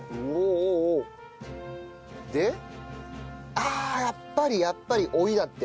ああやっぱりやっぱり追いだって。